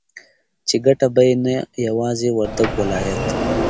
چې گټه به يې نه يوازې وردگ ولايت